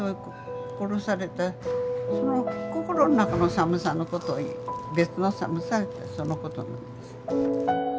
殺されたその心の中の寒さのことを「別の寒さ」ってそのことなんです。